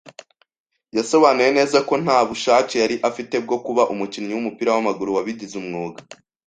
Yasobanuye neza ko nta bushake yari afite bwo kuba umukinnyi w’umupira wamaguru wabigize umwuga.